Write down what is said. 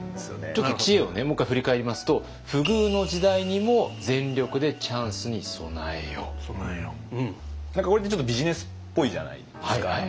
ちょっと知恵をねもう一回振り返りますと何かこれってちょっとビジネスっぽいじゃないですか。